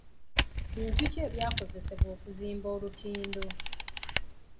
Bintu ki ebyakozesebwa okuzimba olutindo?